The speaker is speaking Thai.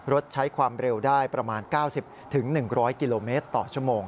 รถใช้ความเร็วได้ประมาณ๙๐๑๐๐กิโลเมตรต่อชั่วโมง